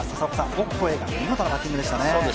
オコエが見事なバッティングでしたね。